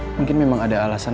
mungkin memang ada alasan